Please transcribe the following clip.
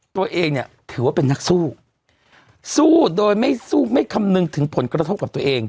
ตัวเองเนี่ยถือว่าเป็นนักสู้สู้โดยไม่สู้ไม่คำนึงถึงผลกระทบกับตัวเอง